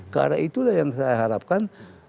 ke arah itu lah yang saya harapkan